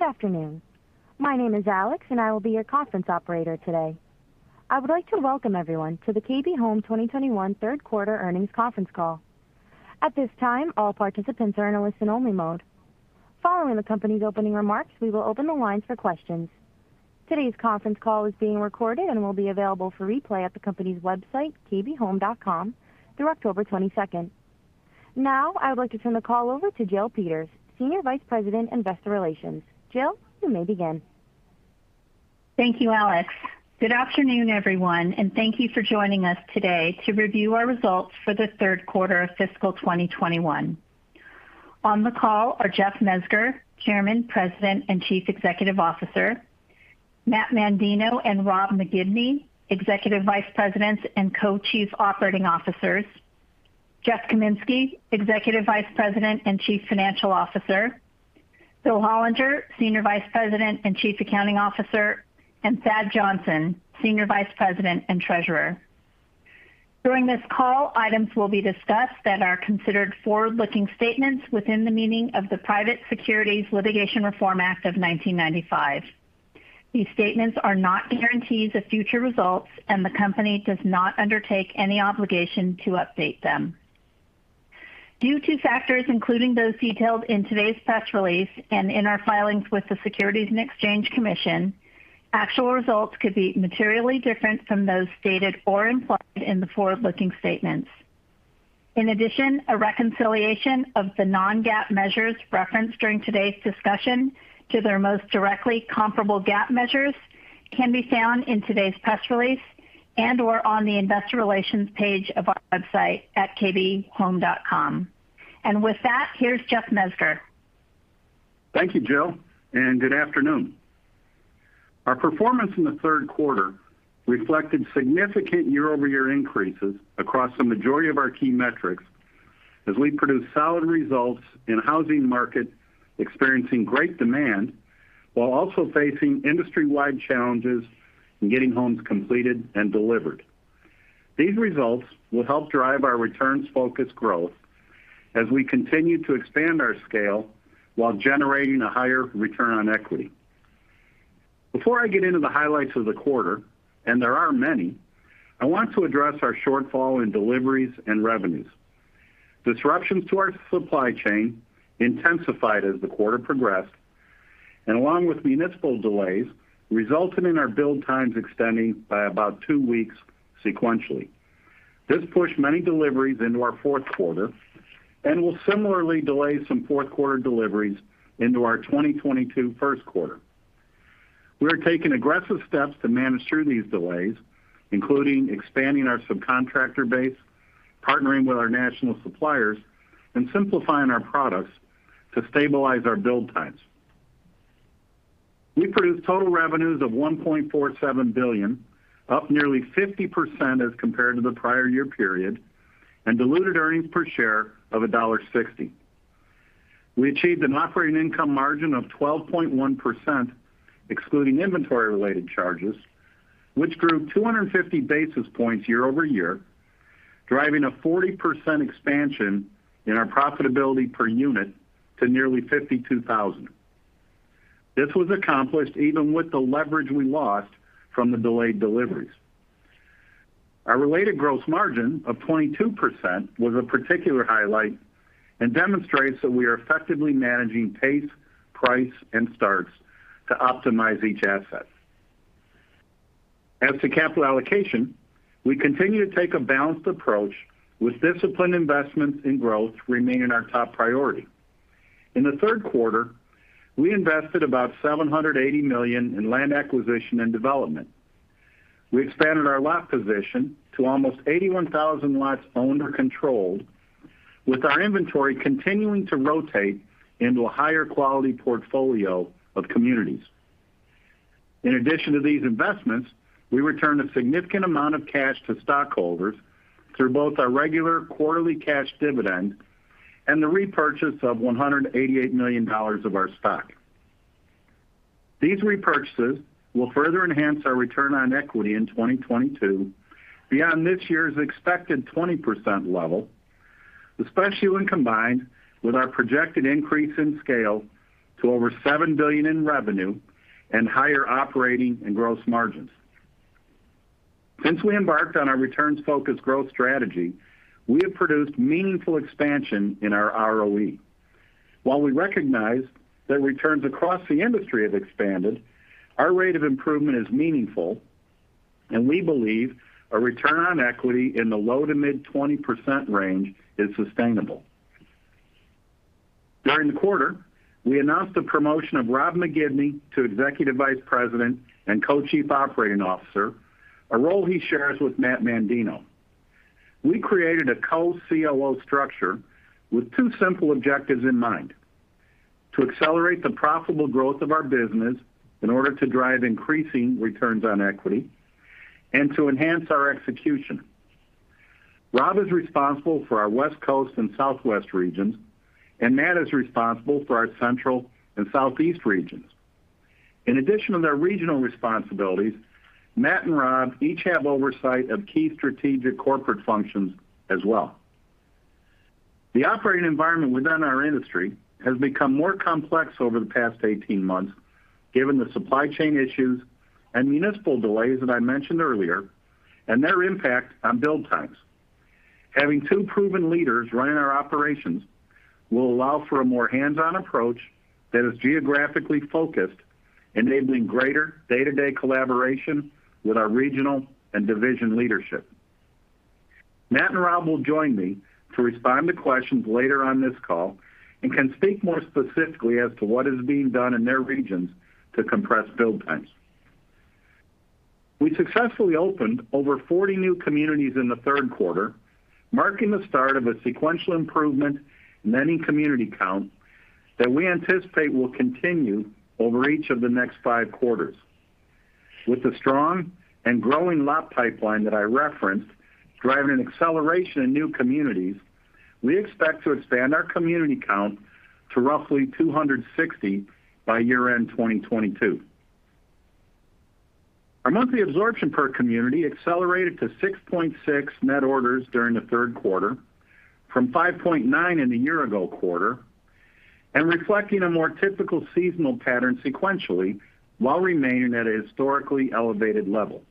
Good afternoon. My name is Alex, and I will be your conference operator today. I would like to welcome everyone to the KB Home 2021 third quarter earnings conference call. At this time, all participants are in a listen-only mode. Following the company's opening remarks, we will open the lines for questions. Today's conference call is being recorded and will be available for replay at the company's website, kbhome.com, through October 22nd. Now, I would like to turn the call over to Jill Peters, Senior Vice President, Investor Relations. Jill, you may begin. Thank you, Alex. Good afternoon, everyone, and thank you for joining us today to review our results for the third quarter of fiscal 2021. On the call are Jeff Mezger, Chairman, President, and Chief Executive Officer, Matt Mandino and Rob McGibney, Executive Vice Presidents and Co-Chief Operating Officers, Jeff Kaminski, Executive Vice President and Chief Financial Officer, Bill Hollinger, Senior Vice President and Chief Accounting Officer, and Thad Johnson, Senior Vice President and Treasurer. During this call, items will be discussed that are considered forward-looking statements within the meaning of the Private Securities Litigation Reform Act of 1995. These statements are not guarantees of future results, and the company does not undertake any obligation to update them. Due to factors including those detailed in today's press release and in our filings with the Securities and Exchange Commission, actual results could be materially different from those stated or implied in the forward-looking statements. In addition, a reconciliation of the non-GAAP measures referenced during today's discussion to their most directly comparable GAAP measures can be found in today's press release and/or on the investor relations page of our website at kbhome.com. With that, here's Jeff Mezger. Thank you, Jill, and good afternoon. Our performance in the third quarter reflected significant year-over-year increases across the majority of our key metrics as we produced solid results in a housing market experiencing great demand while also facing industry-wide challenges in getting homes completed and delivered. These results will help drive our returns-focused growth as we continue to expand our scale while generating a higher return on equity. Before I get into the highlights of the quarter, and there are many, I want to address our shortfall in deliveries and revenues. Disruptions to our supply chain intensified as the quarter progressed, and along with municipal delays, resulted in our build times extending by about two weeks sequentially. This pushed many deliveries into our fourth quarter and will similarly delay some fourth quarter deliveries into our 2022 first quarter. We are taking aggressive steps to manage through these delays, including expanding our subcontractor base, partnering with our national suppliers, and simplifying our products to stabilize our build times. We produced total revenues of $1.47 billion, up nearly 50% as compared to the prior year period, and diluted earnings per share of $1.60. We achieved an operating income margin of 12.1%, excluding inventory-related charges, which grew 250 basis points year-over-year, driving a 40% expansion in our profitability per unit to nearly $52,000. This was accomplished even with the leverage we lost from the delayed deliveries. Our related gross margin of 22% was a particular highlight and demonstrates that we are effectively managing pace, price, and starts to optimize each asset. As to capital allocation, we continue to take a balanced approach with disciplined investments in growth remaining our top priority. In the third quarter, we invested about $780 million in land acquisition and development. We expanded our lot position to almost 81,000 lots owned or controlled, with our inventory continuing to rotate into a higher-quality portfolio of communities. In addition to these investments, we returned a significant amount of cash to stockholders through both our regular quarterly cash dividend and the repurchase of $188 million of our stock. These repurchases will further enhance our return on equity in 2022 beyond this year's expected 20% level, especially when combined with our projected increase in scale to over $7 billion in revenue and higher operating and gross margins. Since we embarked on our returns-focused growth strategy, we have produced meaningful expansion in our ROE. While we recognize that returns across the industry have expanded, our rate of improvement is meaningful, and we believe a return on equity in the low to mid-20% range is sustainable. During the quarter, we announced the promotion of Rob McGibney to Executive Vice President and Co-Chief Operating Officer, a role he shares with Matt Mandino. We created a co-COO structure with two simple objectives in mind, to accelerate the profitable growth of our business in order to drive increasing returns on equity and to enhance our execution. Rob is responsible for our West Coast and Southwest regions, and Matt is responsible for our Central and Southeast regions. In addition to their regional responsibilities, Matt and Rob each have oversight of key strategic corporate functions as well. The operating environment within our industry has become more complex over the past 18 months given the supply chain issues and municipal delays that I mentioned earlier, and their impact on build times. Having two proven leaders running our operations will allow for a more hands-on approach that is geographically focused, enabling greater day-to-day collaboration with our regional and division leadership. Matt and Rob will join me to respond to questions later on this call and can speak more specifically as to what is being done in their regions to compress build times. We successfully opened over 40 new communities in the third quarter, marking the start of a sequential improvement in ending community count that we anticipate will continue over each of the next five quarters. With the strong and growing lot pipeline that I referenced, driving an acceleration in new communities, we expect to expand our community count to roughly 260 by year-end 2022. Our monthly absorption per community accelerated to 6.6 net orders during the third quarter from 5.9 in the year-ago quarter, and reflecting a more typical seasonal pattern sequentially, while remaining at a historically elevated level.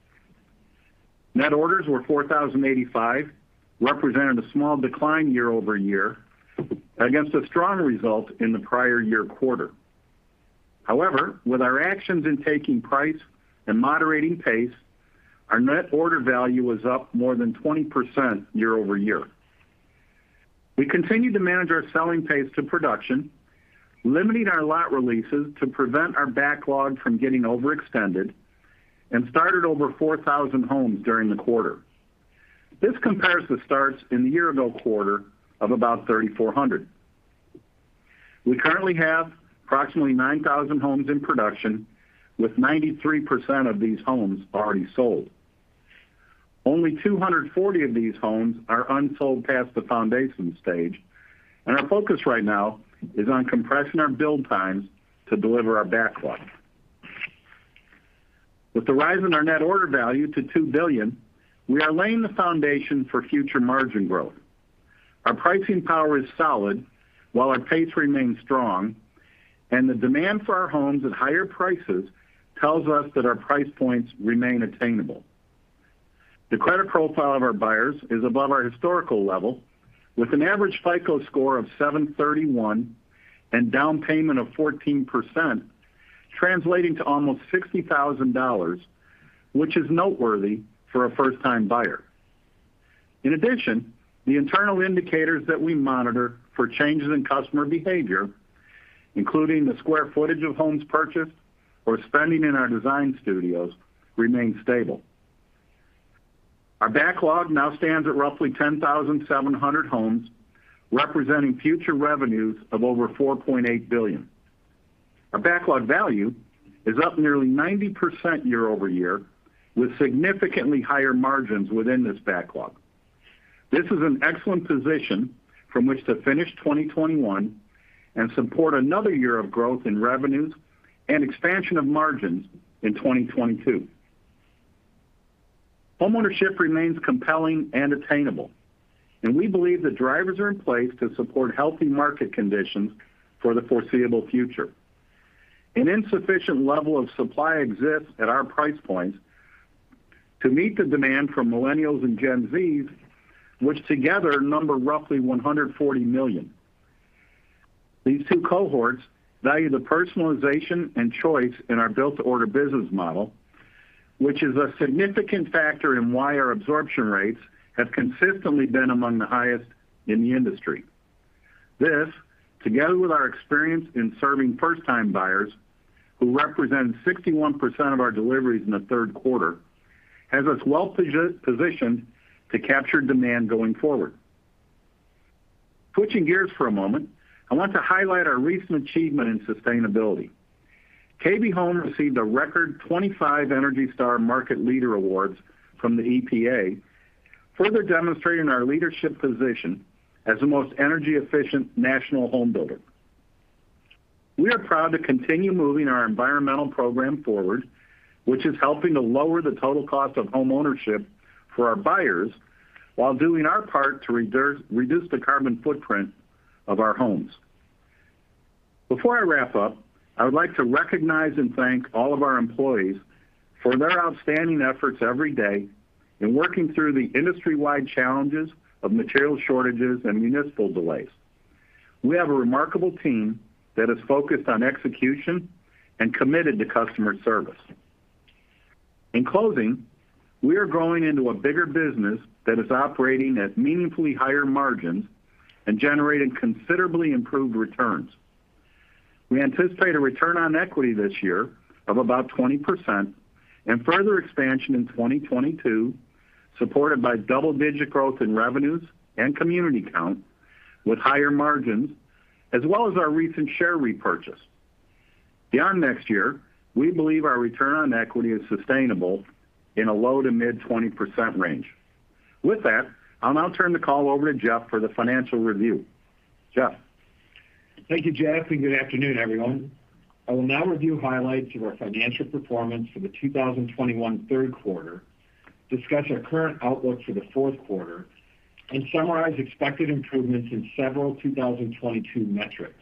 Net orders were 4,085, representing a small decline year-over-year against a strong result in the prior year quarter. However, with our actions in taking price and moderating pace, our net order value was up more than 20% year-over-year. We continued to manage our selling pace to production, limiting our lot releases to prevent our backlog from getting overextended, and started over 4,000 homes during the quarter. This compares to starts in the year-ago quarter of about 3,400. We currently have approximately 9,000 homes in production, with 93% of these homes already sold. Only 240 of these homes are unsold past the foundation stage, and our focus right now is on compressing our build times to deliver our backlog. With the rise in our net order value to $2 billion, we are laying the foundation for future margin growth. Our pricing power is solid, while our pace remains strong, and the demand for our homes at higher prices tells us that our price points remain attainable. The credit profile of our buyers is above our historical level, with an average FICO score of 731 and down payment of 14%, translating to almost $60,000, which is noteworthy for a first-time buyer. In addition, the internal indicators that we monitor for changes in customer behavior, including the square footage of homes purchased or spending in our design studios, remain stable. Our backlog now stands at roughly 10,700 homes, representing future revenues of over $4.8 billion. Our backlog value is up nearly 90% year-over-year, with significantly higher margins within this backlog. This is an excellent position from which to finish 2021 and support another year of growth in revenues and expansion of margins in 2022. Homeownership remains compelling and attainable, and we believe the drivers are in place to support healthy market conditions for the foreseeable future. An insufficient level of supply exists at our price points to meet the demand from Millennials and Gen Zs, which together number roughly 140 million. These two cohorts value the personalization and choice in our built-to-order business model, which is a significant factor in why our absorption rates have consistently been among the highest in the industry. This, together with our experience in serving first-time buyers, who represented 61% of our deliveries in the third quarter, has us well-positioned to capture demand going forward. Switching gears for a moment, I want to highlight our recent achievement in sustainability. KB Home received a record 25 ENERGY STAR Market Leader awards from the EPA, further demonstrating our leadership position as the most energy-efficient national home builder. We are proud to continue moving our environmental program forward, which is helping to lower the total cost of homeownership for our buyers while doing our part to reduce the carbon footprint of our homes. Before I wrap up, I would like to recognize and thank all of our employees for their outstanding efforts every day in working through the industry-wide challenges of material shortages and municipal delays. We have a remarkable team that is focused on execution and committed to customer service. In closing, we are growing into a bigger business that is operating at meaningfully higher margins and generating considerably improved returns. We anticipate a return on equity this year of about 20% and further expansion in 2022, supported by double-digit growth in revenues and community count with higher margins, as well as our recent share repurchase. Beyond next year, we believe our return on equity is sustainable in a low to mid-20% range. With that, I'll now turn the call over to Jeff for the financial review. Jeff. Thank you, Jeff, good afternoon, everyone. I will now review highlights of our financial performance for the 2021 third quarter, discuss our current outlook for the fourth quarter, and summarize expected improvements in several 2022 metrics.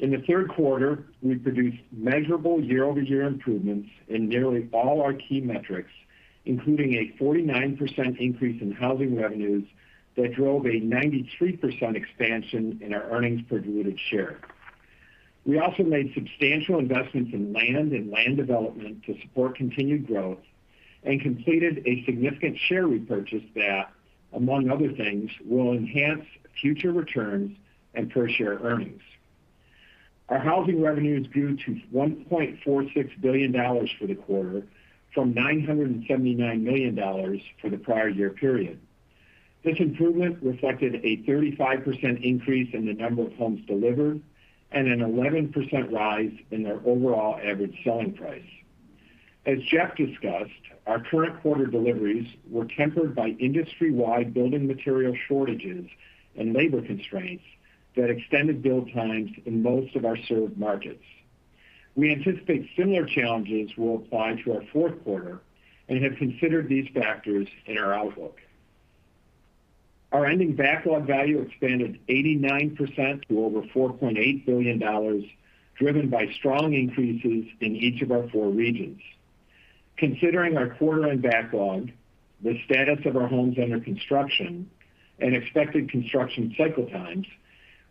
In the third quarter, we produced measurable year-over-year improvements in nearly all our key metrics, including a 49% increase in housing revenues that drove a 93% expansion in our earnings per diluted share. We also made substantial investments in land and land development to support continued growth and completed a significant share repurchase that, among other things, will enhance future returns and per-share earnings. Our housing revenues grew to $1.46 billion for the quarter from $979 million for the prior year period. This improvement reflected a 35% increase in the number of homes delivered and an 11% rise in their overall average selling price. As Jeff discussed, our current quarter deliveries were tempered by industry-wide building material shortages and labor constraints that extended build times in most of our served markets. We anticipate similar challenges will apply to our fourth quarter and have considered these factors in our outlook. Our ending backlog value expanded 89% to over $4.8 billion, driven by strong increases in each of our four regions. Considering our quarter-end backlog, the status of our homes under construction, and expected construction cycle times,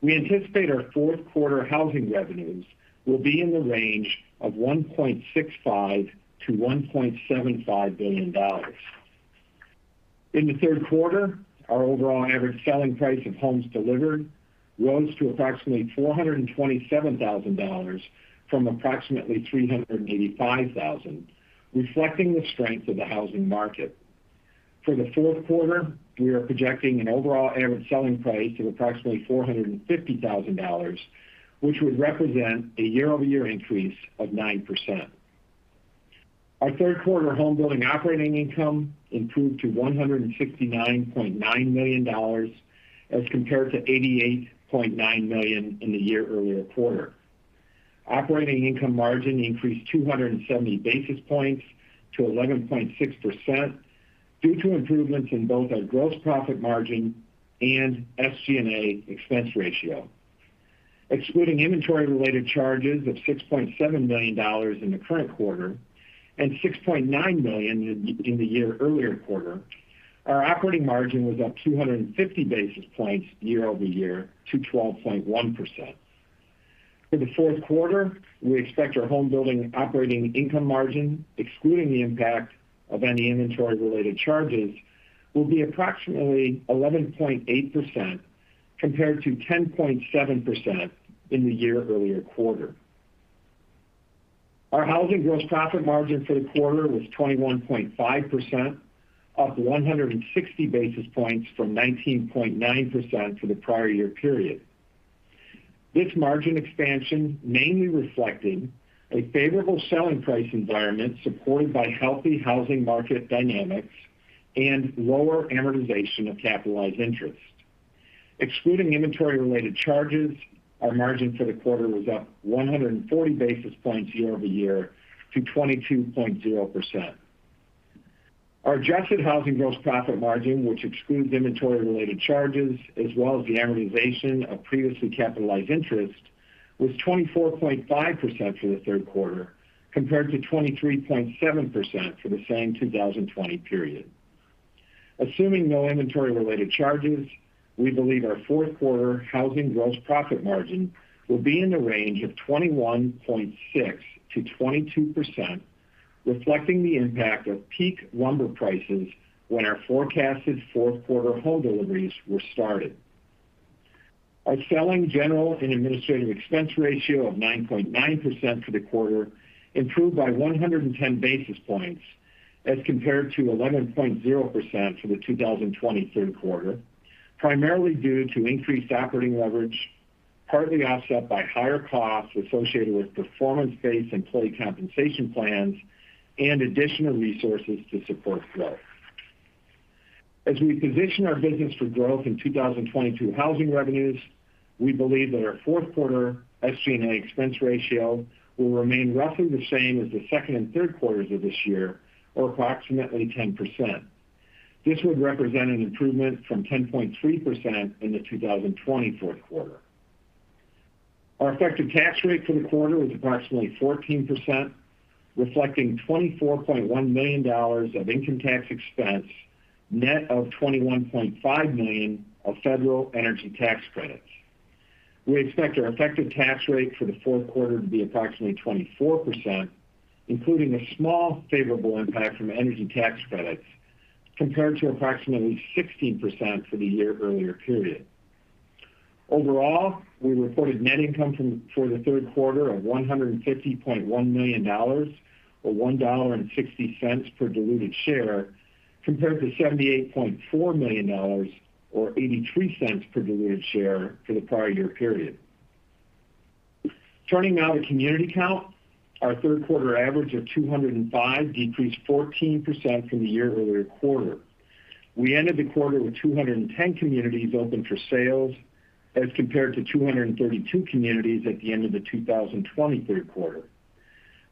we anticipate our fourth quarter housing revenues will be in the range of $1.65 billion-$1.75 billion. In the third quarter, our overall average selling price of homes delivered rose to approximately $427,000 from approximately $385,000, reflecting the strength of the housing market. For the fourth quarter, we are projecting an overall average selling price of approximately $450,000, which would represent a year-over-year increase of 9%. Our third quarter homebuilding operating income improved to $169.9 million as compared to $88.9 million in the year-earlier quarter. Operating income margin increased 270 basis points to 11.6% due to improvements in both our gross profit margin and SG&A expense ratio. Excluding inventory-related charges of $6.7 million in the current quarter and $6.9 million in the year-earlier quarter, our operating margin was up 250 basis points year-over-year to 12.1%. For the fourth quarter, we expect our homebuilding operating income margin, excluding the impact of any inventory-related charges, will be approximately 11.8% compared to 10.7% in the year-earlier quarter. Our housing gross profit margin for the quarter was 21.5%, up 160 basis points from 19.9% for the prior year period. This margin expansion mainly reflecting a favorable selling price environment supported by healthy housing market dynamics and lower amortization of capitalized interest. Excluding inventory-related charges, our margin for the quarter was up 140 basis points year-over-year to 22.0%. Our adjusted housing gross profit margin, which excludes inventory-related charges as well as the amortization of previously capitalized interest, was 24.5% for the third quarter, compared to 23.7% for the same 2020 period. Assuming no inventory-related charges, we believe our fourth quarter housing gross profit margin will be in the range of 21.6%-22%, reflecting the impact of peak lumber prices when our forecasted fourth quarter home deliveries were started. Our selling, general, and administrative expense ratio of 9.9% for the quarter improved by 110 basis points as compared to 11.0% for the 2020 third quarter, primarily due to increased operating leverage, partly offset by higher costs associated with performance-based employee compensation plans and additional resources to support growth. As we position our business for growth in 2022 housing revenues, we believe that our fourth quarter SG&A expense ratio will remain roughly the same as the second and third quarters of this year, or approximately 10%. This would represent an improvement from 10.3% in the 2020 fourth quarter. Our effective tax rate for the quarter was approximately 14%, reflecting $24.1 million of income tax expense, net of $21.5 million of federal energy tax credits. We expect our effective tax rate for the fourth quarter to be approximately 24%, including a small favorable impact from energy tax credits, compared to approximately 16% for the year-earlier period. Overall, we reported net income for the third quarter of $150.1 million, or $1.60 per diluted share, compared to $78.4 million or $0.83 per diluted share for the prior year period. Turning now to community count, our third quarter average of 205 decreased 14% from the year earlier quarter. We ended the quarter with 210 communities open for sales as compared to 232 communities at the end of the 2020 third quarter.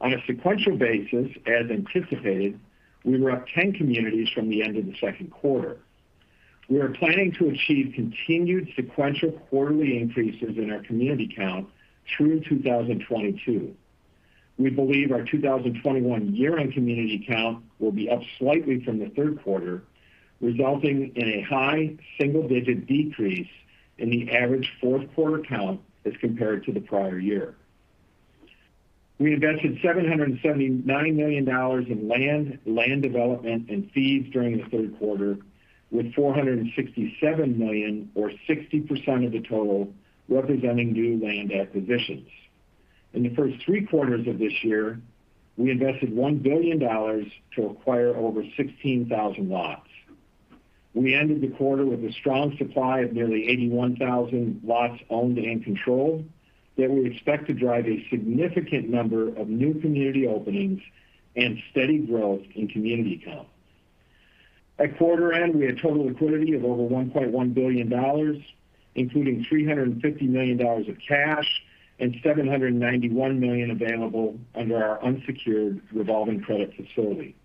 On a sequential basis, as anticipated, we were up 10 communities from the end of the second quarter. We are planning to achieve continued sequential quarterly increases in our community count through 2022. We believe our 2021 year-end community count will be up slightly from the third quarter, resulting in a high single-digit decrease in the average fourth quarter count as compared to the prior year. We invested $779 million in land development, and fees during the third quarter, with $467 million or 60% of the total representing new land acquisitions. In the first three quarters of this year, we invested $1 billion to acquire over 16,000 lots. We ended the quarter with a strong supply of nearly 81,000 lots owned and controlled that we expect to drive a significant number of new community openings and steady growth in community count. At quarter end, we had total liquidity of over $1.1 billion, including $350 million of cash and $791 million available under our unsecured revolving credit facility.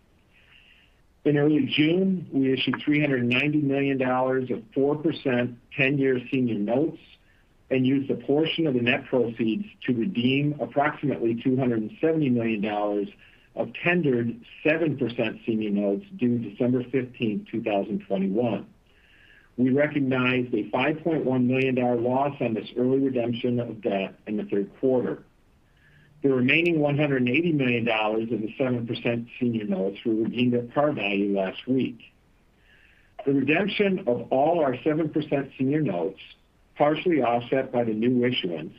In early June, we issued $390 million of 4% 10-year senior notes and used a portion of the net proceeds to redeem approximately $270 million of tendered 7% senior notes due December 15th, 2021. We recognized a $5.1 million loss on this early redemption of debt in the third quarter. The remaining $180 million of the 7% senior notes were redeemed at par value last week. The redemption of all our 7% senior notes, partially offset by the new issuance,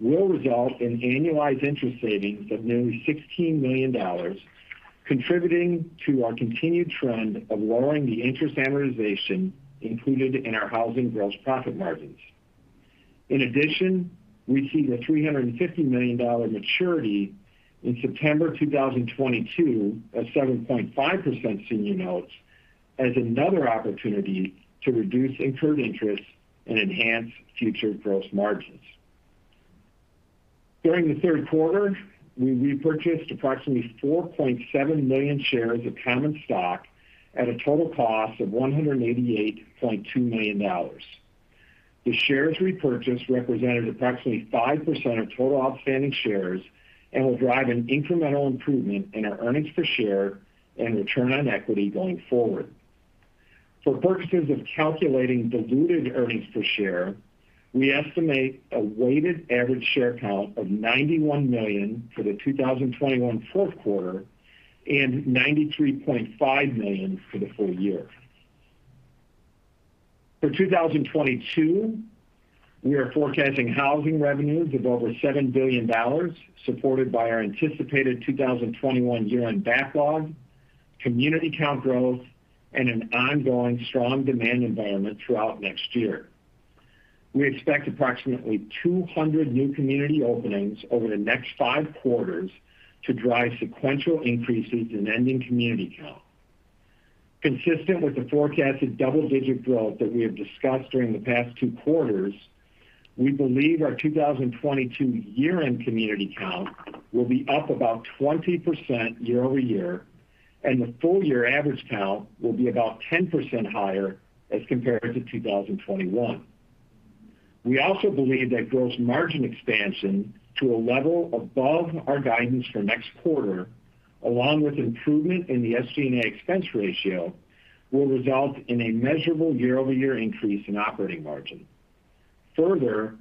will result in annualized interest savings of nearly $16 million, contributing to our continued trend of lowering the interest amortization included in our housing gross profit margins. In addition, we see the $350 million maturity in September 2022 of 7.5% senior notes as another opportunity to reduce incurred interest and enhance future gross margins. During the third quarter, we repurchased approximately 4.7 million shares of common stock at a total cost of $188.2 million. The shares repurchased represented approximately 5% of total outstanding shares and will drive an incremental improvement in our earnings per share and return on equity going forward. For purposes of calculating diluted earnings per share, we estimate a weighted average share count of 91 million for the 2021 fourth quarter and 93.5 million for the full year. For 2022, we are forecasting housing revenues of over $7 billion, supported by our anticipated 2021 year-end backlog, community count growth, and an ongoing strong demand environment throughout next year. We expect approximately 200 new community openings over the next five quarters to drive sequential increases in ending community count. Consistent with the forecasted double-digit growth that we have discussed during the past two quarters, we believe our 2022 year-end community count will be up about 20% year-over-year, and the full-year average count will be about 10% higher as compared to 2021. We also believe that gross margin expansion to a level above our guidance for next quarter, along with improvement in the SG&A expense ratio, will result in a measurable year-over-year increase in operating margin. Further,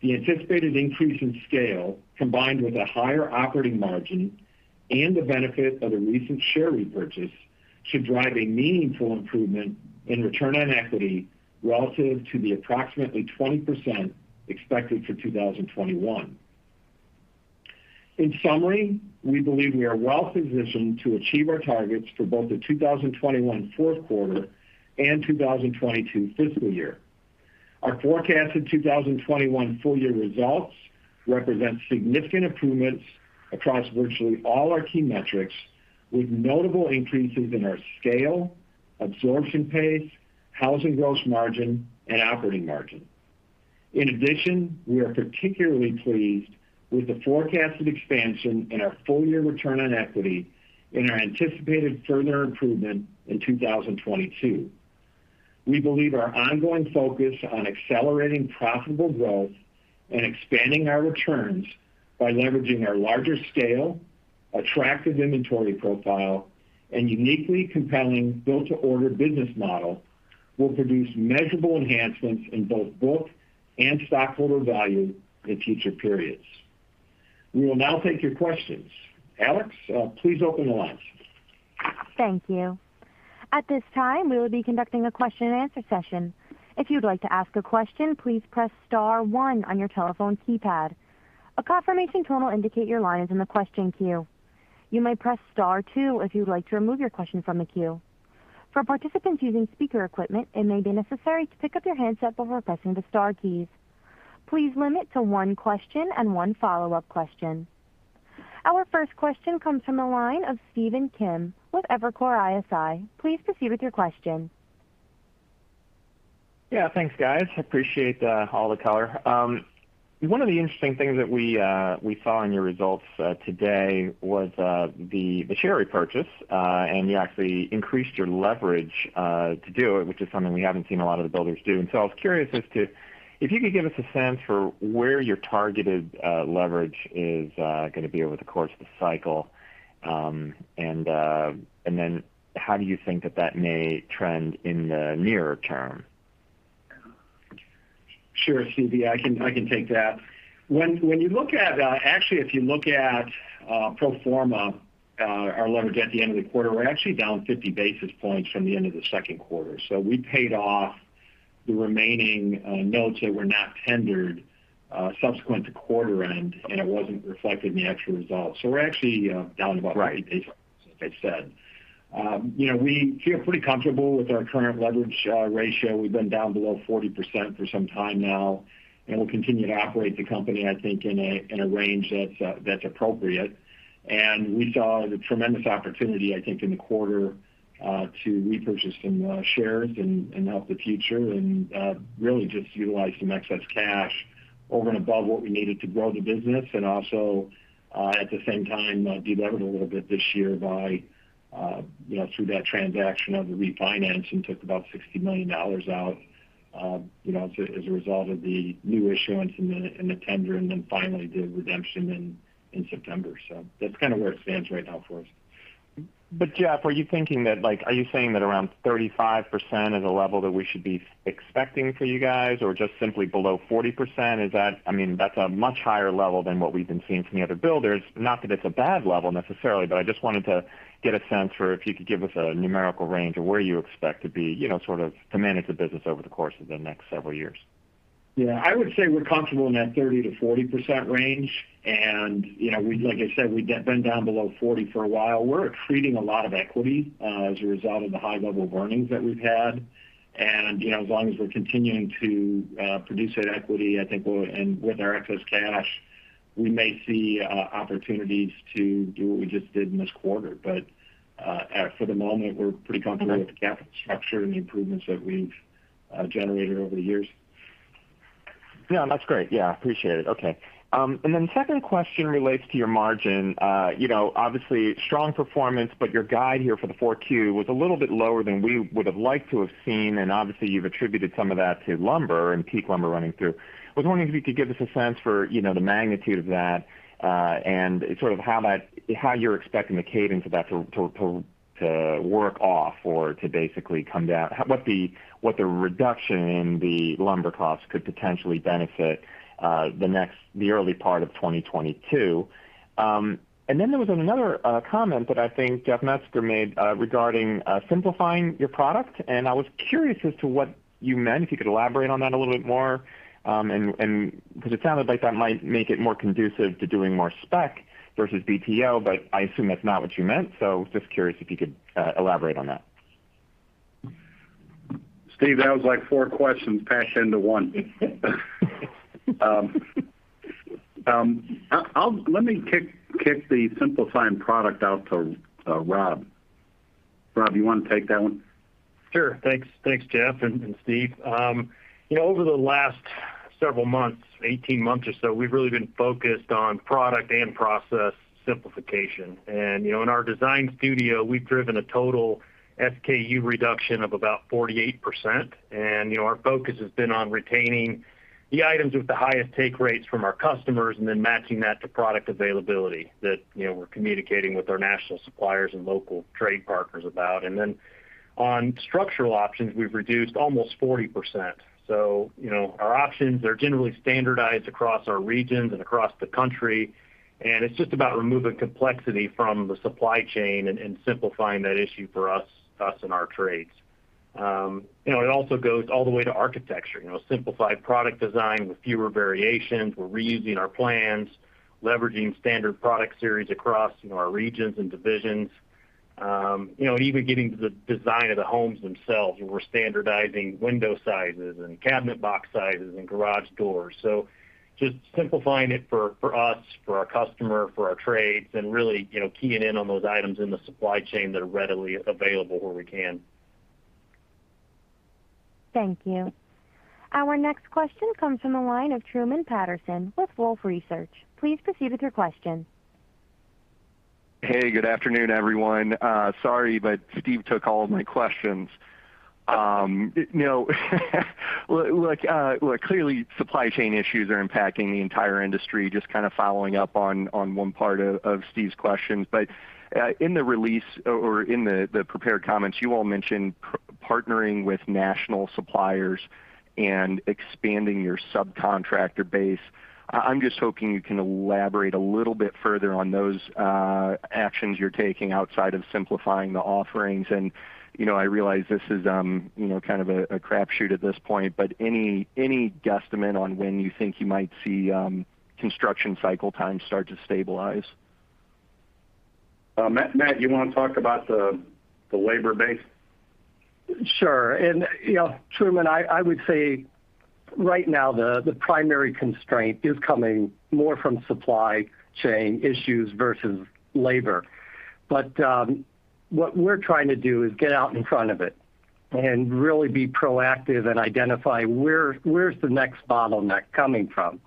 the anticipated increase in scale, combined with a higher operating margin and the benefit of the recent share repurchase, should drive a meaningful improvement in return on equity relative to the approximately 20% expected for 2021. In summary, we believe we are well positioned to achieve our targets for both the 2021 fourth quarter and 2022 fiscal year. Our forecasted 2021 full-year results represent significant improvements across virtually all our key metrics, with notable increases in our scale, absorption pace, housing gross margin, and operating margin. In addition, we are particularly pleased with the forecasted expansion in our full-year return on equity and our anticipated further improvement in 2022. We believe our ongoing focus on accelerating profitable growth and expanding our returns by leveraging our larger scale, attractive inventory profile, and uniquely compelling build-to-order business model will produce measurable enhancements in both book and stockholder value in future periods. We will now take your questions. Alex, please open the lines. Thank you. At this time, we will be conducting a question-and-answer session. If you'd like to ask a question, please press star one on your telephone keypad. A confirmation tone will indicate your line is in the question queue. You may press star two if you'd like to remove your question from the queue. For participants using speaker equipment, it may be necessary to pick up your handset before pressing the star keys. Please limit to one question and one follow-up question. Our first question comes from the line of Stephen Kim with Evercore ISI. Please proceed with your question. Yeah, thanks, guys. Appreciate all the color. One of the interesting things that we saw in your results today was the share repurchase, and you actually increased your leverage to do it, which is something we haven't seen a lot of the builders do. I was curious as to if you could give us a sense for where your targeted leverage is going to be over the course of the cycle. How do you think that that may trend in the nearer term? Sure, Steve, I can take that. Actually, if you look at pro forma, our leverage at the end of the quarter, we're actually down 50 basis points from the end of the second quarter. We paid off the remaining notes that were not tendered subsequent to quarter end, and it wasn't reflected in the actual results. We're actually down about 50 basis points, like I said. We feel pretty comfortable with our current leverage ratio. We've been down below 40% for some time now, and we'll continue to operate the company, I think, in a range that's appropriate. We saw the tremendous opportunity, I think, in the quarter to repurchase some shares and help the future and really just utilize some excess cash over and above what we needed to grow the business and also, at the same time, de-levered a little bit this year through that transaction of the refinancing. Took about $60 million out as a result of the new issuance and the tender and then finally the redemption in September. That's kind of where it stands right now for us. Jeff, are you saying that around 35% is a level that we should be expecting for you guys or just simply below 40%? That's a much higher level than what we've been seeing from the other builders. Not that it's a bad level necessarily, but I just wanted to get a sense for if you could give us a numerical range of where you expect to be, sort of to manage the business over the course of the next several years. Yeah. I would say we're comfortable in that 30%-40% range. Like I said, we've been down below 40% for a while. We're accreting a lot of equity as a result of the high level of earnings that we've had. As long as we're continuing to produce that equity, I think, and with our excess cash, we may see opportunities to do what we just did in this quarter. For the moment, we're pretty comfortable with the capital structure and the improvements that we've generated over the years. Yeah, that's great. Yeah, appreciate it. Okay. Second question relates to your margin. Obviously strong performance, but your guide here for the 4Q was a little bit lower than we would have liked to have seen, and obviously you've attributed some of that to lumber and peak lumber running through. I was wondering if you could give us a sense for the magnitude of that and sort of how you're expecting the cadence of that to work off or to basically come down. What the reduction in the lumber costs could potentially benefit the early part of 2022. There was another comment that I think Jeff Mezger made regarding simplifying your product, and I was curious as to what you meant, if you could elaborate on that a little bit more. It sounded like that might make it more conducive to doing more spec versus BTO, but I assume that's not what you meant. Just curious if you could elaborate on that? Steve, that was like four questions packed into one. Let me kick the simplifying product out to Rob. Rob, you want to take that one? Sure. Thanks, Jeff and Steve. Over the last several months, 18 months or so, we've really been focused on product and process simplification. In our design studio, we've driven a total SKU reduction of about 48%, and our focus has been on retaining the items with the highest take rates from our customers and then matching that to product availability that we're communicating with our national suppliers and local trade partners about. On structural options, we've reduced almost 40%. Our options are generally standardized across our regions and across the country, and it's just about removing complexity from the supply chain and simplifying that issue for us and our trades. It also goes all the way to architecture, simplified product design with fewer variations. We're reusing our plans, leveraging standard product series across our regions and divisions, and even getting to the design of the homes themselves where we're standardizing window sizes and cabinet box sizes and garage doors. Just simplifying it for us, for our customer, for our trades, and really keying in on those items in the supply chain that are readily available where we can. Thank you. Our next question comes from the line of Truman Patterson with Wolfe Research. Please proceed with your question. Hey, good afternoon, everyone. Sorry, but Steve took all of my questions. Clearly supply chain issues are impacting the entire industry. Just kind of following up on one part of Steve's questions. In the release or in the prepared comments, you all mentioned partnering with national suppliers and expanding your subcontractor base. I'm just hoping you can elaborate a little bit further on those actions you're taking outside of simplifying the offerings. I realize this is kind of a crapshoot at this point, any guesstimate on when you think you might see construction cycle times start to stabilize? Matt, you want to talk about the labor base? Sure. Truman, I would say right now the primary constraint is coming more from supply chain issues versus labor. What we're trying to do is get out in front of it and really be proactive and identify where's the next bottleneck coming from.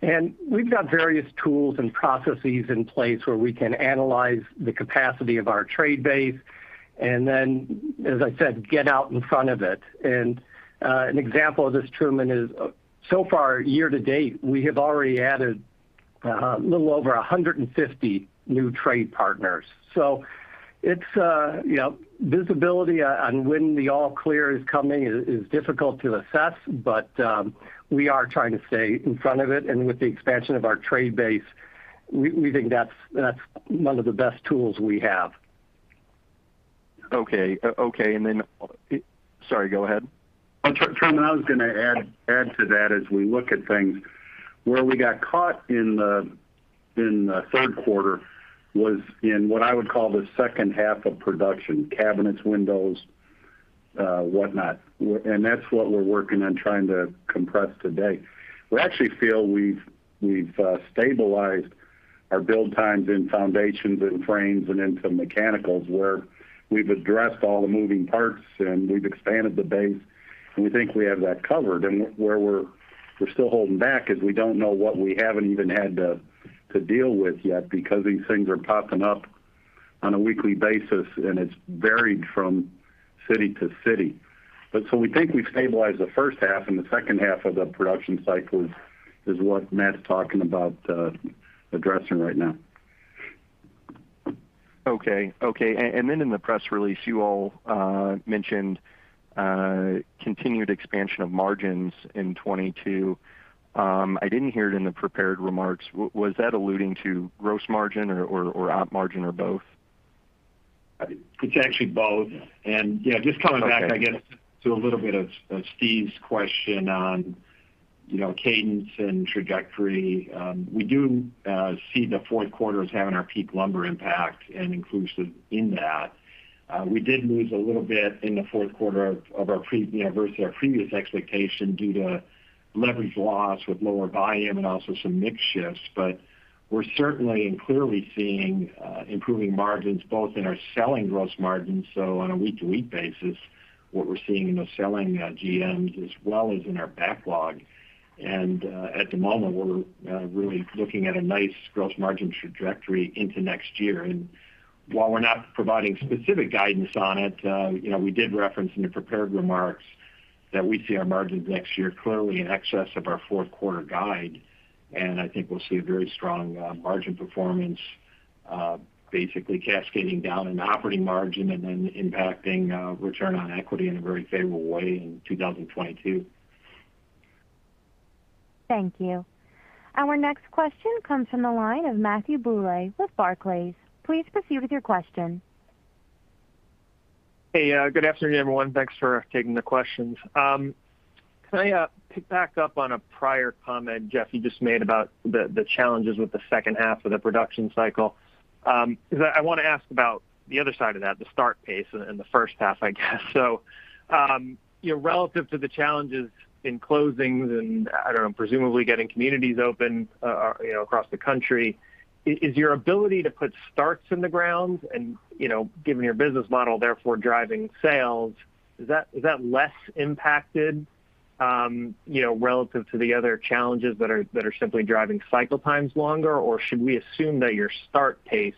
We've got various tools and processes in place where we can analyze the capacity of our trade base, and then, as I said, get out in front of it. An example of this, Truman, is so far, year-to-date, we have already added a little over 150 new trade partners. Visibility on when the all clear is coming is difficult to assess, but we are trying to stay in front of it. With the expansion of our trade base, we think that's one of the best tools we have. Okay. Sorry, go ahead. Truman, I was going to add to that, as we look at things, where we got caught in the third quarter was in what I would call the second half of production, cabinets, windows, whatnot. That's what we're working on trying to compress today. We actually feel we've stabilized our build times in foundations and frames and into mechanicals, where we've addressed all the moving parts and we've expanded the base, and we think we have that covered. Where we're still holding back is we don't know what we haven't even had to deal with yet because these things are popping up on a weekly basis, and it's varied from city to city. We think we've stabilized the first half, and the second half of the production cycle is what Matt's talking about addressing right now. Okay. In the press release, you all mentioned continued expansion of margins in 2022. I didn't hear it in the prepared remarks. Was that alluding to gross margin or op margin or both? It's actually both. yeah, just coming back. Okay I guess, to a little bit of Steve's question on cadence and trajectory. We do see the fourth quarter as having our peak lumber impact and inclusive in that. We did lose a little bit in the fourth quarter versus our previous expectation due to leverage loss with lower volume and also some mix shifts. We're certainly and clearly seeing improving margins both in our selling gross margins, so on a week-to-week basis, what we're seeing in the selling GMs as well as in our backlog. At the moment, we're really looking at a nice gross margin trajectory into next year. While we're not providing specific guidance on it, we did reference in the prepared remarks that we see our margins next year clearly in excess of our fourth quarter guide. I think we'll see a very strong margin performance basically cascading down in operating margin and then impacting return on equity in a very favorable way in 2022. Thank you. Our next question comes from the line of Matthew Bouley with Barclays. Please proceed with your question. Hey, good afternoon, everyone. Thanks for taking the questions. Can I pick back up on a prior comment, Jeff, you just made about the challenges with the second half of the production cycle? I want to ask about the other side of that, the start pace in the first half, I guess. Relative to the challenges in closings and, I don't know, presumably getting communities open across the country, is your ability to put starts in the ground and, given your business model, therefore driving sales, is that less impacted relative to the other challenges that are simply driving cycle times longer, or should we assume that your start pace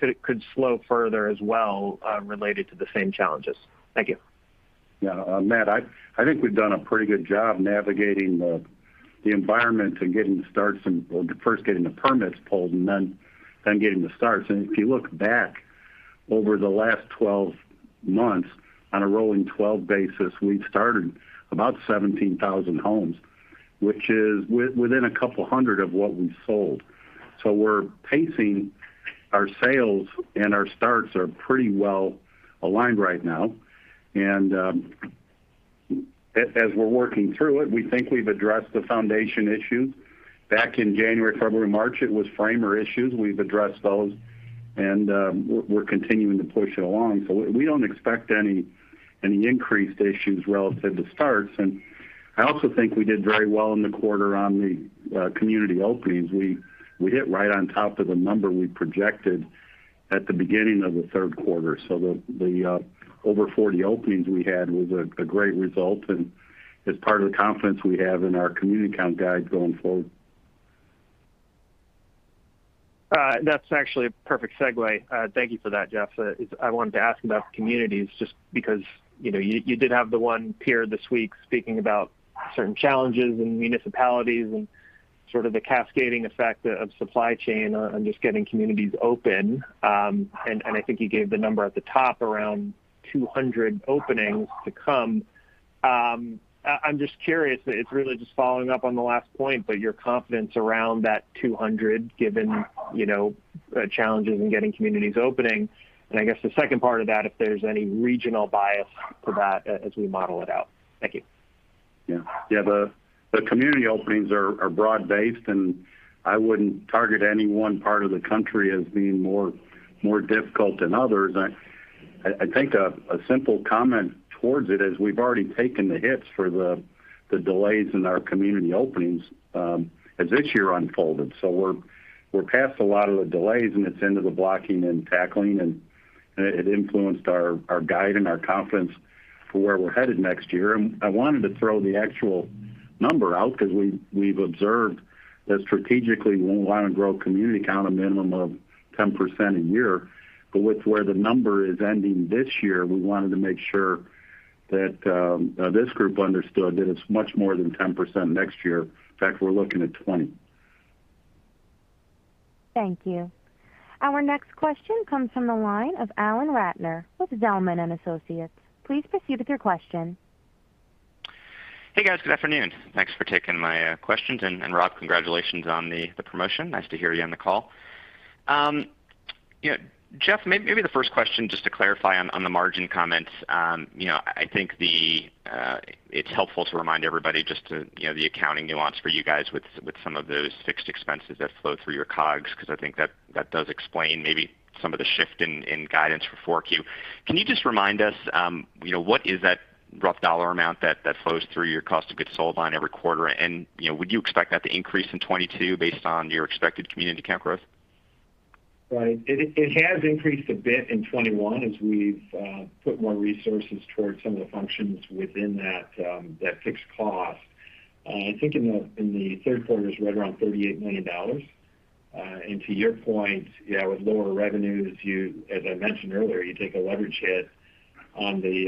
could slow further as well related to the same challenges? Thank you. Yeah. Matt, I think we've done a pretty good job navigating the environment and getting the starts, and well, first getting the permits pulled and then getting the starts. If you look back over the last 12 months, on a rolling 12 basis, we've started about 17,000 homes, which is within a 200 of what we've sold. We're pacing our sales, and our starts are pretty well aligned right now. As we're working through it, we think we've addressed the foundation issue. Back in January, February, March, it was framer issues. We've addressed those, and we're continuing to push it along. We don't expect any increased issues relative to starts. I also think we did very well in the quarter on the community openings. We hit right on top of the number we projected at the beginning of the third quarter. The over 40 openings we had was a great result and is part of the confidence we have in our community count guide going forward. That's actually a perfect segue. Thank you for that, Jeff. I wanted to ask about communities just because you did have the one peer this week speaking about certain challenges in municipalities and sort of the cascading effect of supply chain on just getting communities open. I think you gave the number at the top, around 200 openings to come. I'm just curious, it's really just following up on the last point, but your confidence around that 200 given challenges in getting communities opening. I guess the second part of that, if there's any regional bias to that as we model it out. Thank you. Yeah. The community openings are broad-based, and I wouldn't target any one part of the country as being more difficult than others. I think a simple comment towards it is we've already taken the hits for the delays in our community openings as this year unfolded. We're past a lot of the delays, and it's into the blocking and tackling, and it influenced our guide and our confidence for where we're headed next year. I wanted to throw the actual number out because we've observed that strategically, we want to grow community count a minimum of 10% a year. With where the number is ending this year, we wanted to make sure that this group understood that it's much more than 10% next year. In fact, we're looking at 20%. Thank you. Our next question comes from the line of Alan Ratner with Zelman & Associates. Please proceed with your question. Hey, guys. Good afternoon. Thanks for taking my questions, and Rob, congratulations on the promotion. Nice to hear you on the call. Jeff, maybe the first question just to clarify on the margin comments. I think it's helpful to remind everybody just the accounting nuance for you guys with some of those fixed expenses that flow through your COGS because I think that does explain maybe some of the shift in guidance for 4Q. Can you just remind us, what is that rough dollar amount that flows through your cost of goods sold line every quarter, and would you expect that to increase in 2022 based on your expected community count growth? Right. It has increased a bit in 2021 as we've put more resources towards some of the functions within that fixed cost. I think in the third quarter, it's right around $38 million. To your point, yeah, with lower revenues, as I mentioned earlier, you take a leverage hit on the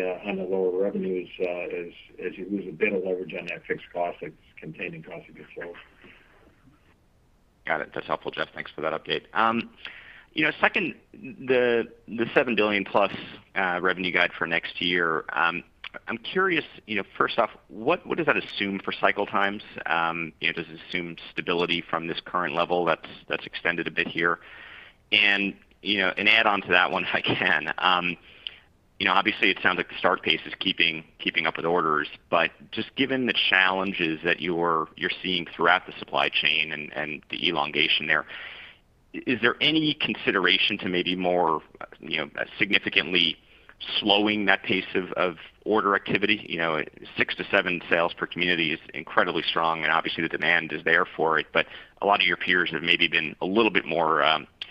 lower revenues as you lose a bit of leverage on that fixed cost that's contained in cost of goods sold. Got it. That's helpful, Jeff. Thanks for that update. Second, the $7 billion-plus revenue guide for next year. I'm curious, first off, what does that assume for cycle times? Does it assume stability from this current level that's extended a bit here? Add on to that one if I can. Obviously, it sounds like the start pace is keeping up with orders. Just given the challenges that you're seeing throughout the supply chain and the elongation there, is there any consideration to maybe more significantly slowing that pace of order activity? Six to seven sales per community is incredibly strong, and obviously, the demand is there for it. A lot of your peers have maybe been a little bit more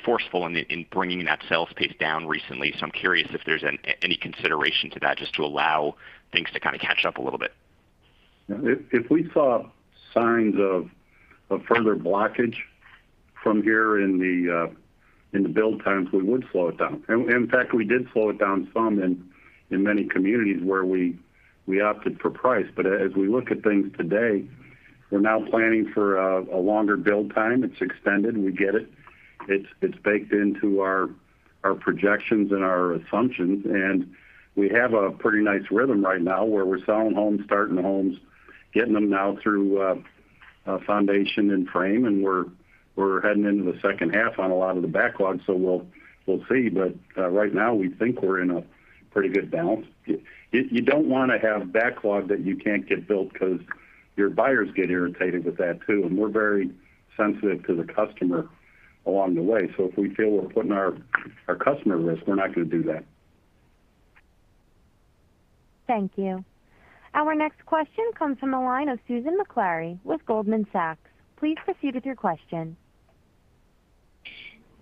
forceful in bringing that sales pace down recently. I'm curious if there's any consideration to that just to allow things to kind of catch up a little bit. If we saw signs of further blockage from here in the build times, we would slow it down. In fact, we did slow it down some in many communities where we opted for price. As we look at things today, we're now planning for a longer build time. It's extended. We get it. It's baked into our projections and our assumptions, and we have a pretty nice rhythm right now where we're selling homes, starting homes, getting them now through foundation and frame, and we're heading into the second half on a lot of the backlog, so we'll see. Right now, we think we're in a pretty good balance. You don't want to have backlog that you can't get built because your buyers get irritated with that, too, and we're very sensitive to the customer along the way. If we feel we're putting our customer at risk, we're not going to do that. Thank you. Our next question comes from the line of Susan Maklari with Goldman Sachs. Please proceed with your question.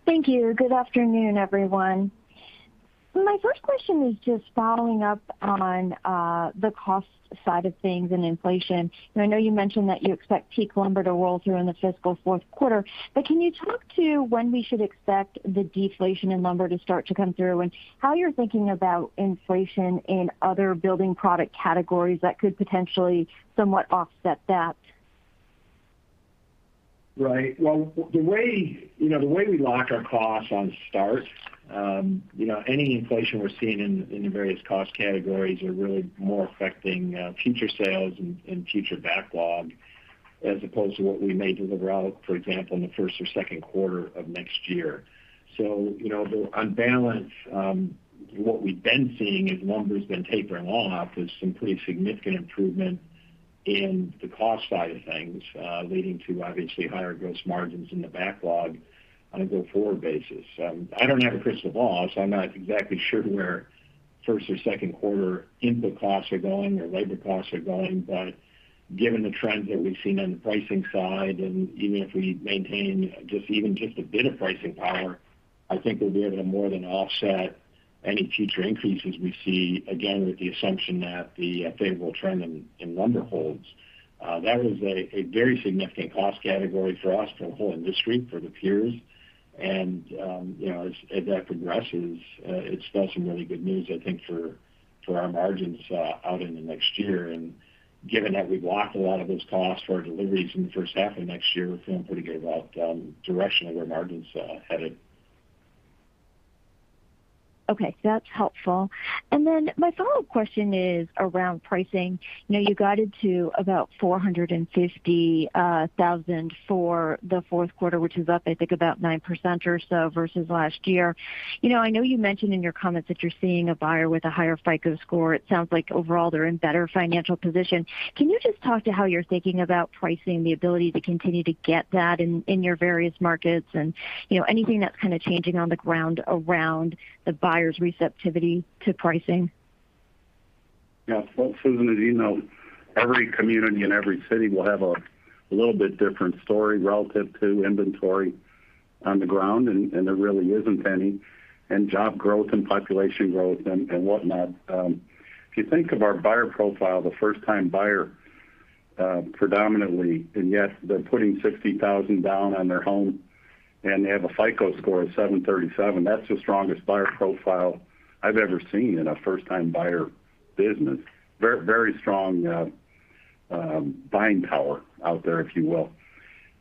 Thank you. Good afternoon, everyone. My first question is just following up on the cost side of things and inflation. I know you mentioned that you expect peak lumber to roll through in the fiscal fourth quarter, can you talk to when we should expect the deflation in lumber to start to come through and how you're thinking about inflation in other building product categories that could potentially somewhat offset that? Right. Well, the way we lock our costs on starts, any inflation we're seeing in the various cost categories are really more affecting future sales and future backlog as opposed to what we may deliver out, for example, in the first or second quarter of next year. On balance, what we've been seeing as lumber's been tapering off is some pretty significant improvement in the cost side of things, leading to obviously higher gross margins in the backlog on a go-forward basis. I don't have a crystal ball, so I'm not exactly sure where first or second quarter input costs are going or labor costs are going. Given the trends that we've seen on the pricing side, even if we maintain just even just a bit of pricing power, I think we'll be able to more than offset any future increases we see, again, with the assumption that the favorable trend in lumber holds. That was a very significant cost category for us for the whole industry, for the peers. As that progresses, it spells some really good news, I think, for our margins out into next year. Given that we've locked a lot of those costs for our deliveries in the first half of next year, we're feeling pretty good about the direction of where margins are headed. Okay. That's helpful. My follow-up question is around pricing. You guided to about $450,000 for the fourth quarter, which is up, I think, about 9% or so versus last year. I know you mentioned in your comments that you're seeing a buyer with a higher FICO score. It sounds like overall they're in better financial position. Can you just talk to how you're thinking about pricing, the ability to continue to get that in your various markets and anything that's kind of changing on the ground around the buyers' receptivity to pricing? Yeah. Well, Susan, as you know, every community and every city will have a little bit different story relative to inventory on the ground, and there really isn't any, and job growth and population growth and whatnot. If you think of our buyer profile, the first-time buyer predominantly, and yet they're putting $60,000 down on their home and they have a FICO score of 737, that's the strongest buyer profile I've ever seen in a first-time buyer business. Very strong buying power out there, if you will.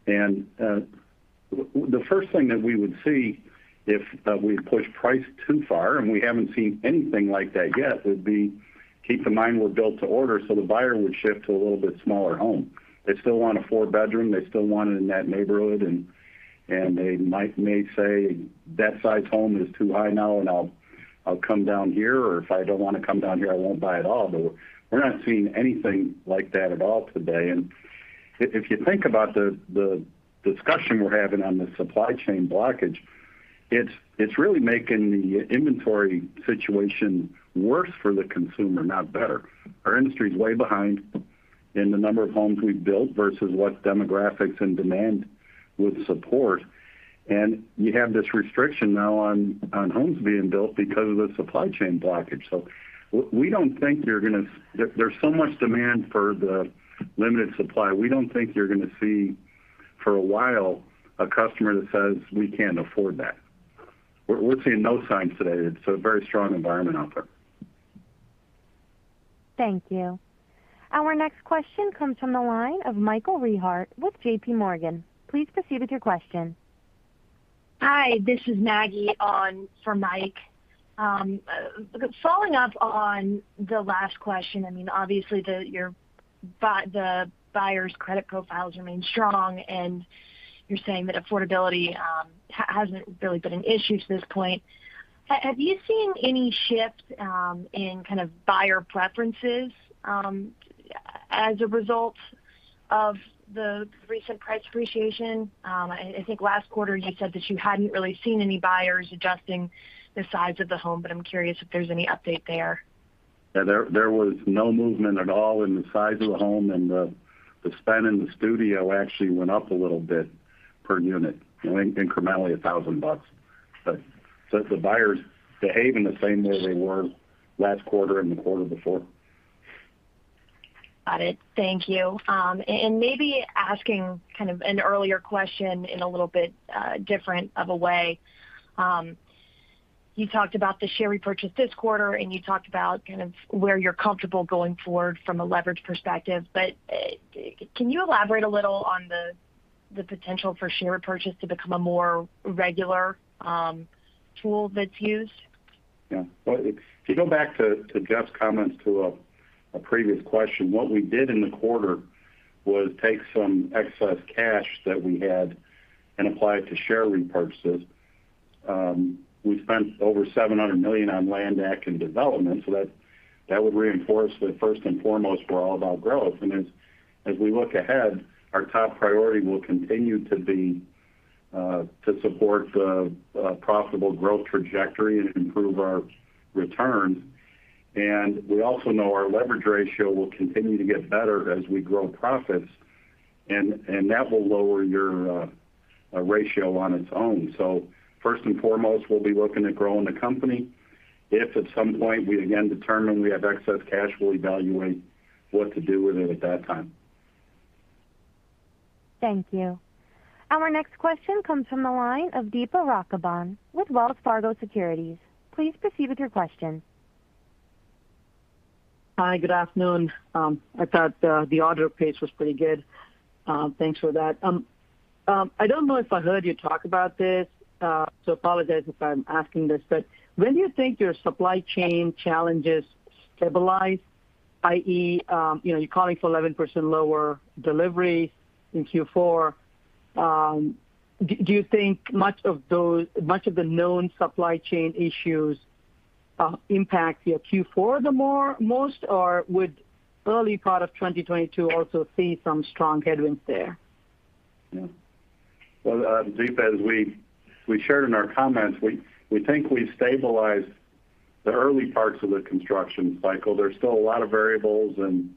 The first thing that we would see if we push price too far, and we haven't seen anything like that yet, would be, keep in mind we're built to order, so the buyer would shift to a little bit smaller home. They still want a four bedroom, they still want it in that neighborhood, and they may say, "That size home is too high now, and I'll come down here," or "If I don't want to come down here, I won't buy at all." We're not seeing anything like that at all today. If you think about the discussion we're having on the supply chain blockage, it's really making the inventory situation worse for the consumer, not better. Our industry is way behind in the number of homes we've built versus what demographics and demand would support. You have this restriction now on homes being built because of the supply chain blockage. There's so much demand for the limited supply, we don't think you're going to see for a while a customer that says, "We can't afford that." We're seeing no signs today. It's a very strong environment out there. Thank you. Our next question comes from the line of Michael Rehaut with JPMorgan. Please proceed with your question. Hi, this is Maggie on for Mike. Following up on the last question, obviously the buyers' credit profiles remain strong, and you're saying that affordability hasn't really been an issue to this point. Have you seen any shifts in kind of buyer preferences as a result of the recent price appreciation? I think last quarter you said that you hadn't really seen any buyers adjusting the size of the home, but I'm curious if there's any update there. Yeah, there was no movement at all in the size of the home. The spend in the studio actually went up a little bit per unit, incrementally $1,000. The buyers behaving the same way they were last quarter and the quarter before. Got it. Thank you. Maybe asking kind of an earlier question in a little bit different of a way. You talked about the share repurchase this quarter, and you talked about kind of where you're comfortable going forward from a leverage perspective, but can you elaborate a little on the potential for share repurchase to become a more regular tool that's used? Yeah. Well, if you go back to Jeff's comments to a previous question, what we did in the quarter was take some excess cash that we had and apply it to share repurchases. We spent over $700 million on land acq and development, that would reinforce that first and foremost, we're all about growth. As we look ahead, our top priority will continue to be to support the profitable growth trajectory and improve our returns. We also know our leverage ratio will continue to get better as we grow profits, and that will lower your ratio on its own. First and foremost, we'll be looking at growing the company. If at some point we again determine we have excess cash, we'll evaluate what to do with it at that time. Thank you. Our next question comes from the line of Deepa Raghavan with Wells Fargo Securities. Please proceed with your question. Hi, good afternoon. I thought the order pace was pretty good. Thanks for that. I don't know if I heard you talk about this, so apologize if I'm asking this, but when do you think your supply chain challenges stabilize, i.e., you're calling for 11% lower delivery in Q4? Do you think much of the known supply chain issues impact your Q4 the most, or would early part of 2022 also see some strong headwinds there? Yeah. Well, Deepa, as we shared in our comments, we think we've stabilized the early parts of the construction cycle. There's still a lot of variables and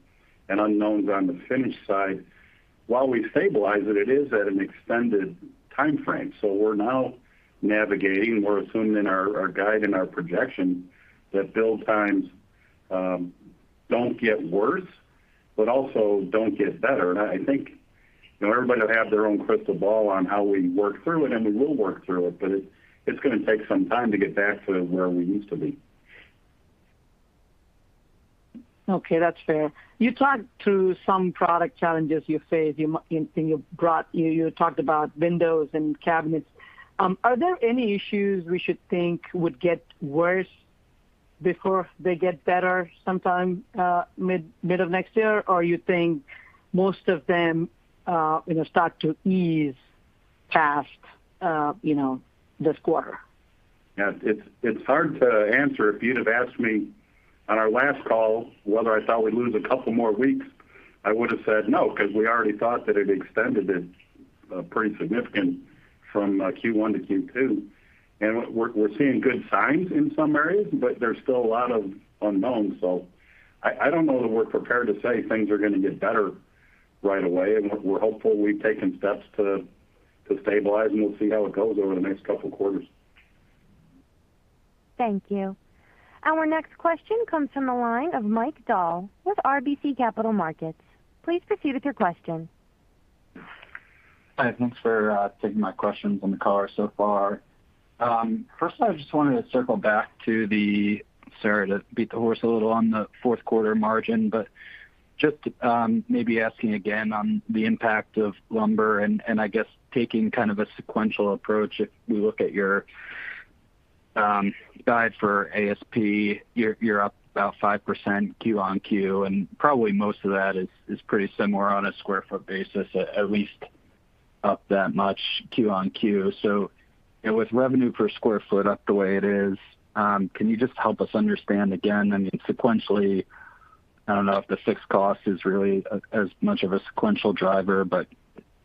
unknowns on the finish side. While we stabilize it is at an extended timeframe. We're now navigating, we're assuming in our guide and our projection that build times don't get worse but also don't get better. I think everybody will have their own crystal ball on how we work through it, and we will work through it, but it's going to take some time to get back to where we used to be. Okay, that's fair. You talked through some product challenges you faced. You talked about windows and cabinets. Are there any issues we should think would get worse before they get better sometime mid of next year? You think most of them start to ease past this quarter? Yeah. It's hard to answer. If you'd have asked me on our last call whether I thought we'd lose a couple more weeks, I would've said no because we already thought that it extended it pretty significant from Q1 to Q2. We're seeing good signs in some areas, but there's still a lot of unknowns. I don't know that we're prepared to say things are going to get better right away. We're hopeful we've taken steps to stabilize, and we'll see how it goes over the next couple of quarters. Thank you. Our next question comes from the line of Mike Dahl with RBC Capital Markets. Please proceed with your question. Thanks for taking my questions on the call so far. I just wanted to circle back to the, sorry to beat the horse a little on the fourth quarter margin, just maybe asking again on the impact of lumber and I guess taking kind of a sequential approach. If we look at your guide for ASP, you're up about 5% Q-on-Q, probably most of that is pretty similar on a square foot basis, at least up that much Q-on-Q. With revenue per square foot up the way it is, can you just help us understand again, I mean, sequentially, I don't know if the fixed cost is really as much of a sequential driver,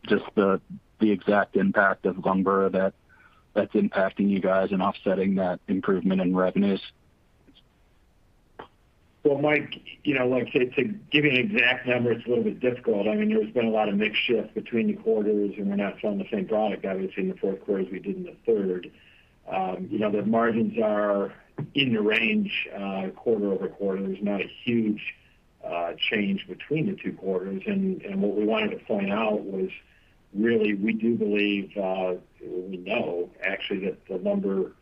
just the exact impact of lumber that's impacting you guys and offsetting that improvement in revenues. Well, Mike, like I say, to give you an exact number, it's a little bit difficult. There's been a lot of mix shift between the quarters, and we're not selling the same product, obviously, in the fourth quarter as we did in the third. The margins are in the range, quarter-over-quarter. There's not a huge change between the two quarters. What we wanted to point out was really we do believe, we know actually, that the lumber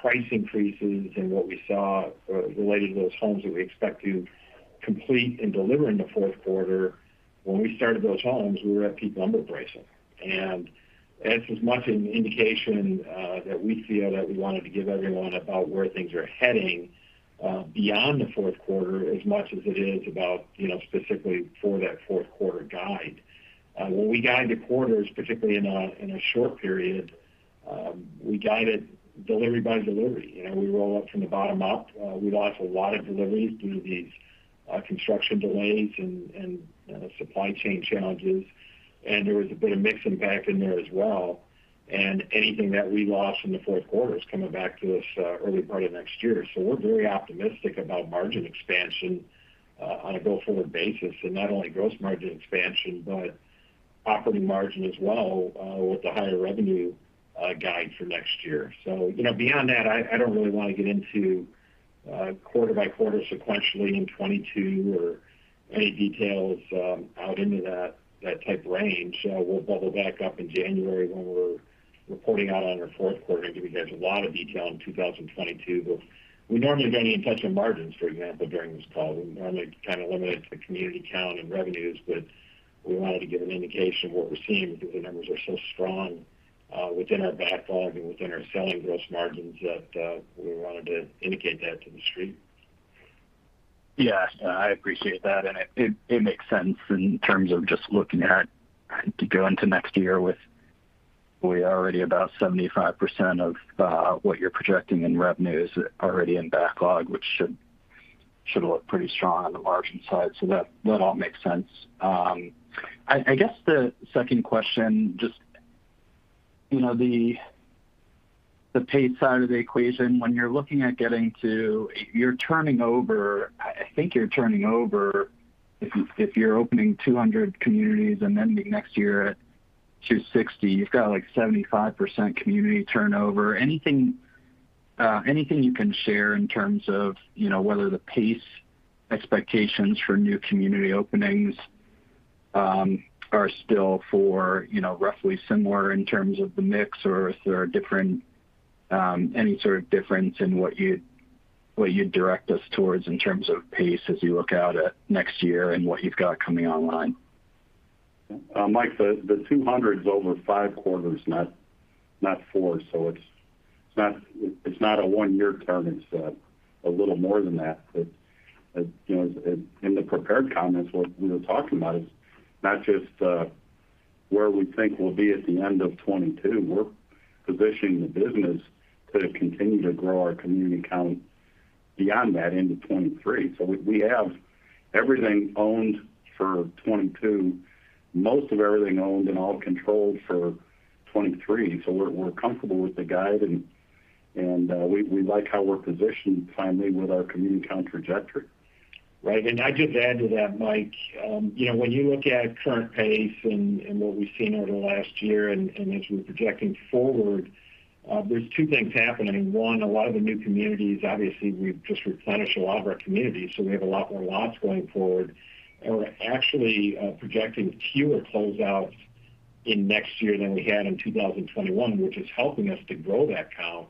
price increases and what we saw relating to those homes that we expect to complete and deliver in the fourth quarter, when we started those homes, we were at peak lumber pricing. It's as much an indication that we feel that we wanted to give everyone about where things are heading beyond the fourth quarter, as much as it is about specifically for that fourth quarter guide. When we guide the quarters, particularly in a short period, we guide it delivery by delivery. We roll up from the bottom up. We lost a lot of deliveries due to these construction delays and supply chain challenges. There was a bit of mix impact in there as well. Anything that we lost in the fourth quarter is coming back to us early part of next year. We're very optimistic about margin expansion on a go-forward basis. Not only gross margin expansion, but operating margin as well with the higher revenue guide for next year. Beyond that, I don't really want to get into quarter-by-quarter sequentially in 2022 or any details out into that type of range. We'll bubble back up in January when we're reporting out on our fourth quarter and giving you guys a lot of detail on 2022. We normally don't even touch on margins, for example, during this call. We normally kind of limit it to community count and revenues, but we wanted to give an indication of what we're seeing because the numbers are so strong within our backlog and within our selling gross margins that we wanted to indicate that to the Street. Yeah. I appreciate that. It makes sense in terms of just looking at going to next year with already about 75% of what you're projecting in revenues already in backlog, which should look pretty strong on the margin side. That all makes sense. I guess the second question, just the pace side of the equation. When you're looking at getting to, I think you're turning over, if you're opening 200 communities and then next year at 260, you've got 75% community turnover. Anything you can share in terms of whether the pace expectations for new community openings are still for roughly similar in terms of the mix? Is there any sort of difference in what you'd direct us towards in terms of pace as you look out at next year and what you've got coming online? Mike, the 200 is over five quarters, not four. It's not a one-year term, it's a little more than that. In the prepared comments, what we were talking about is not just where we think we'll be at the end of 2022. We're positioning the business to continue to grow our community count beyond that into 2023. We have everything owned for 2022, most of everything owned and all controlled for 2023. We're comfortable with the guide, and we like how we're positioned finally with our community count trajectory. Right. I'd just add to that, Mike, when you look at current pace and what we've seen over the last year, and as we're projecting forward, there's two things happening. One, a lot of the new communities, obviously, we've just replenished a lot of our communities, so we have a lot more lots going forward. We're actually projecting fewer closeouts in next year than we had in 2021, which is helping us to grow that count.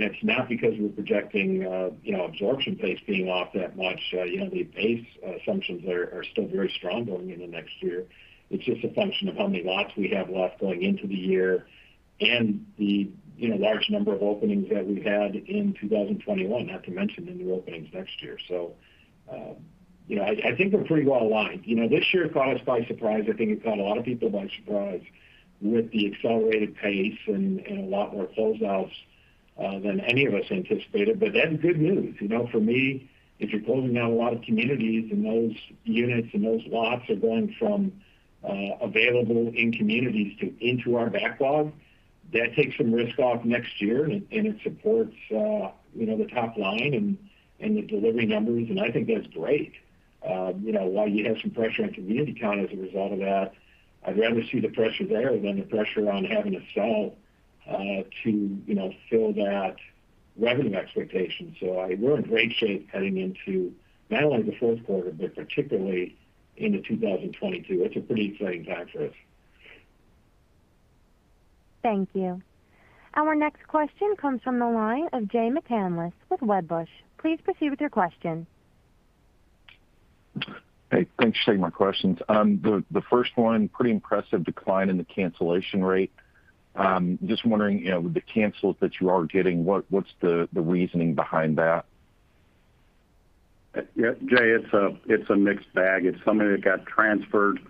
It's not because we're projecting absorption pace being off that much. The pace assumptions are still very strong going into next year. It's just a function of how many lots we have left going into the year and the large number of openings that we've had in 2021, not to mention the new openings next year. I think we're pretty well aligned. This year caught us by surprise. I think it caught a lot of people by surprise with the accelerated pace and a lot more closeouts than any of us anticipated. That's good news. For me, if you're closing down a lot of communities and those units and those lots are going from available in communities into our backlog, that takes some risk off next year, and it supports the top line and the delivery numbers, and I think that's great. While you have some pressure on community count as a result of that, I'd rather see the pressure there than the pressure on having to sell to fill that revenue expectation. We're in great shape heading into not only the fourth quarter, but particularly into 2022. It's a pretty exciting time for us. Thank you. Our next question comes from the line of Jay McCanless with Wedbush. Please proceed with your question. Hey, thanks for taking my questions. The first one, pretty impressive decline in the cancellation rate. Just wondering, with the cancels that you are getting, what's the reasoning behind that? Jay, it's a mixed bag. It's somebody that got transferred,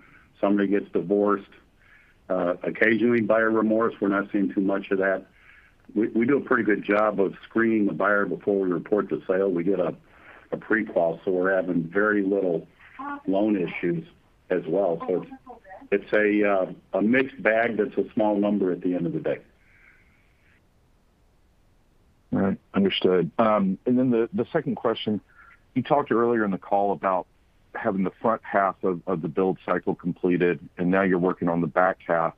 somebody gets divorced. Occasionally buyer remorse, we're not seeing too much of that. We do a pretty good job of screening the buyer before we report the sale. We get a pre-qual. We're having very little loan issues as well. It's a mixed bag that's a small number at the end of the day. All right. Understood. The second question, you talked earlier in the call about having the front half of the build cycle completed, and now you're working on the back half.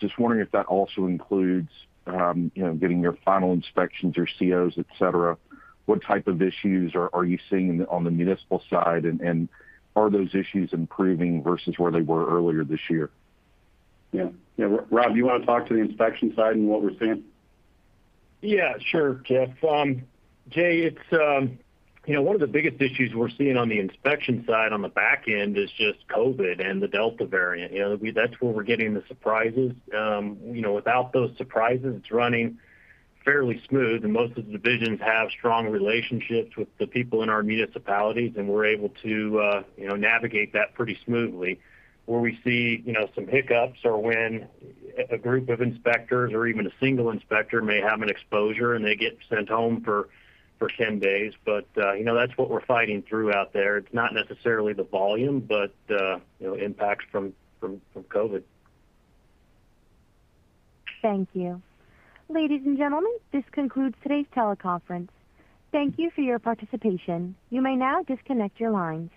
Just wondering if that also includes getting your final inspections, your COs, et cetera. What type of issues are you seeing on the municipal side, and are those issues improving versus where they were earlier this year? Yeah. Rob, you want to talk to the inspection side and what we're seeing? Sure, Jeff. Jay, one of the biggest issues we're seeing on the inspection side on the back end is just COVID and the Delta variant. That's where we're getting the surprises. Without those surprises, it's running fairly smooth, and most of the divisions have strong relationships with the people in our municipalities, and we're able to navigate that pretty smoothly. Where we see some hiccups are when a group of inspectors or even a single inspector may have an exposure, and they get sent home for 10 days. That's what we're fighting through out there. It's not necessarily the volume but impacts from COVID. Thank you. Ladies and gentlemen, this concludes today's teleconference. Thank you for your participation. You may now disconnect your lines.